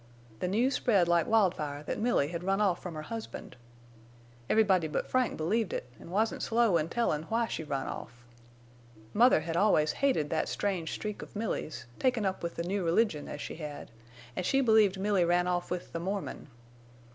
The news spread like wildfire that Milly had run off from her husband. Everybody but Frank believed it an' wasn't slow in tellin' why she run off. Mother had always hated that strange streak of Milly's, takin' up with the new religion as she had, an' she believed Milly ran off with the Mormon.